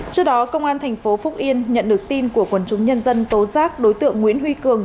trước đó công an thành phố phúc yên nhận được tin của quần chúng nhân dân tố giác đối tượng nguyễn huy cường